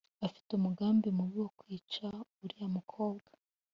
afite umugambi mubi wo kwica uriya mukobwa